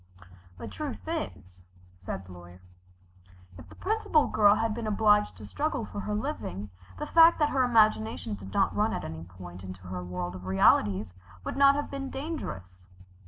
"The truth is," said the Lawyer, "if the Principal Girl had been obliged to struggle for her living, the fact that her imagination did not run at any point into her world of realities would not have been dangerous."